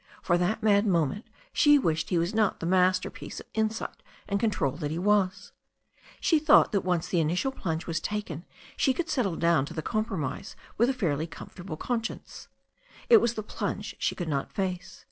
For that mad moment she wished he was not the masterpiece of insight and control that he was. She thought that once the initial plunge was taken she 390 THE STORY OP A NEW ZEALAND RIVEB could settle down to the compromise with a fairly com fortable conscience. It was the plunge she could not face.